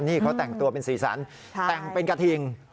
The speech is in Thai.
นี่เขาแต่งตัวเป็นสีสันแต่งเป็นกระทิง